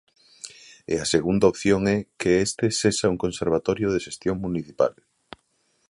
E a segunda opción é que este sexa un conservatorio de xestión municipal.